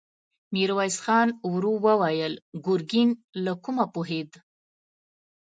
ميرويس خان ورو وويل: ګرګين له کومه وپوهېد؟